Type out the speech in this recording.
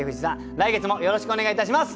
来月もよろしくお願いいたします！